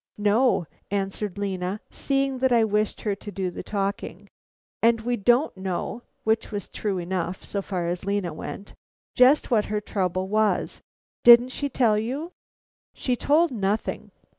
"No," answered Lena, seeing that I wished her to do the talking. "And we don't know" (which was true enough so far as Lena went) "just what her trouble was. Didn't she tell you?" "She told nothing.